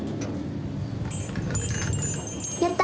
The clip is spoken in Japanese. やった！